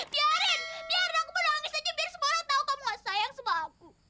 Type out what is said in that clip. biarin biarin aku pun nangis aja biar semua orang tau kamu gak sayang sama aku